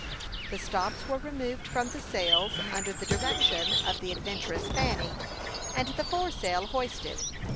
The stops were removed from the sails, under the direction of the adventurous Fanny, and the foresail hoisted.